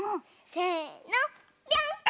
せのぴょん！